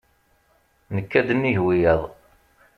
Nekka-d nnig wiyaḍ.